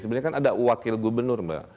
sebenarnya kan ada wakil gubernur mbak